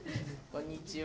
こんにちは